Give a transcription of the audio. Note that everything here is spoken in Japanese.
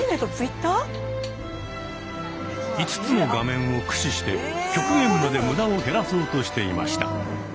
５つの画面を駆使して極限まで無駄を減らそうとしていました。